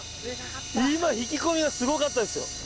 今引き込みがすごかったですよ。